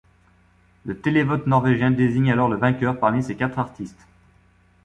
Le télévote norvégien désigne alors le vainqueur parmi ces quatre artistes.